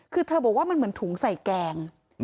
คือเธอบอกว่ามันเหมือนถุงใส่แกง